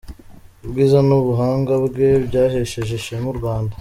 Ubwiza n’ubuhanga bwe byahesheje ishema u Rwanda .